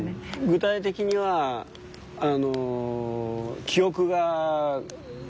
具体的にはあの記憶が少し。